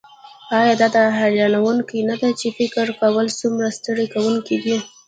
ایا دا حیرانوونکې نده چې فکر کول څومره ستړي کونکی دي